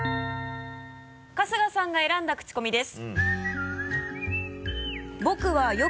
春日さんが選んだクチコミです。